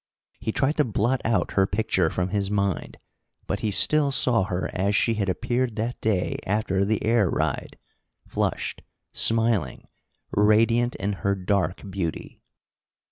He tried to blot out her picture from his mind, but he still saw her as she had appeared that day after the air ride, flushed, smiling, radiant in her dark beauty.